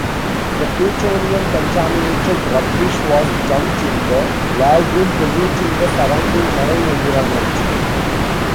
The plutonium-contaminated rubbish was dumped in the lagoon, polluting the surrounding marine environment.